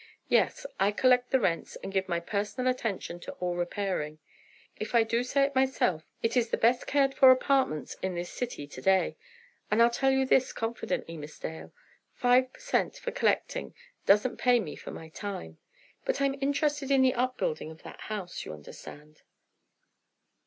Yes, I collect the rents and give my personal attention to all repairing. If I do say it myself, it is the best cared for apartments in this city to day. And I'll tell you this confidently, Miss Dale, five per cent. for collecting doesn't pay me for my time. But I'm interested in the up building of that house, you understand."